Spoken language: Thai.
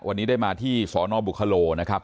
วันนี้ได้มาที่สนบุคโลนะครับ